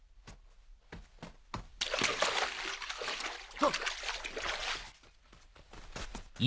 あっ！